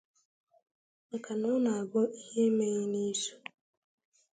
maka na ọ na-abụ ihe emeghị n'izù